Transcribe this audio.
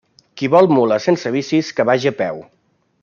Qui vol mula sense vicis, que vagi a peu.